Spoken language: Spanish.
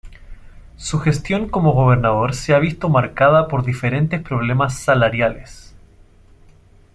Su gestión como gobernador se ha visto marcada por diferentes problemas salariales.